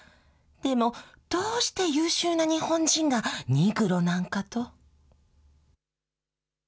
でも、どうして優秀な日本人がニグロなんかと。